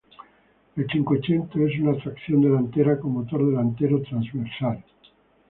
El Cinquecento es un tracción delantera con motor delantero transversal.